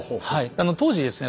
あの当時ですね